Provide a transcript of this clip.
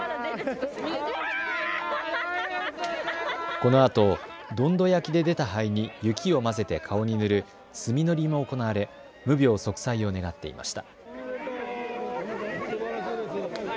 このあと、どんど焼きで出た灰に雪を混ぜて顔に塗るすみ塗りも行われ無病息災を願っていました。